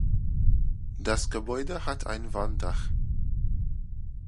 Das Gebäude hat ein Walmdach.